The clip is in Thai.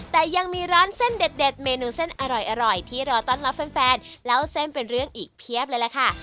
แต่ยังมีร้านเส้นเด็ดเมนูเส้นอร่อยที่รอต้อนรับแฟนเล่าเส้นเป็นเรื่องอีกเพียบเลยล่ะค่ะ